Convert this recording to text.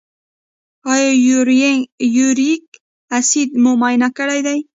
ایا یوریک اسید مو معاینه کړی دی؟